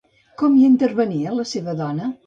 Com hi intervenia la seva dona?